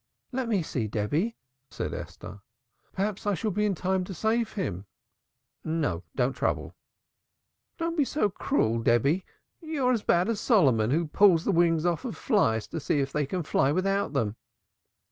"Let me see, Debby," said Esther. "Perhaps I shall be in time to save him." "No, don't trouble." "Don't be so cruel, Debby. You're as bad as Solomon, who pulls off flies' wings to see if they can fly without them."